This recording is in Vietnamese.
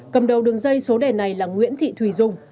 cầm đầu đường dây số đề này là nguyễn thị thùy dung